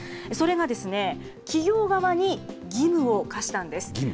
それが、企業側に義務を課したんです。